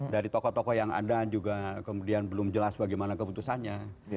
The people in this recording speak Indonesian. dari tokoh tokoh yang ada juga kemudian belum jelas bagaimana keputusannya